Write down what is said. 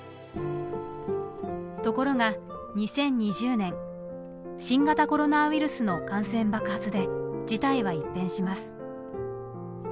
ところが２０２０年新型コロナウイルスの感染爆発で事態は一変します。